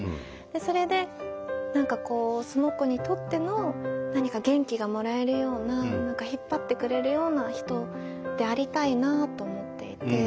でそれで何かこうその子にとっての何か元気がもらえるような引っ張ってくれるような人でありたいなと思っていて。